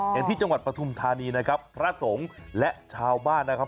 อย่างที่จังหวัดปฐุมธานีนะครับพระสงฆ์และชาวบ้านนะครับ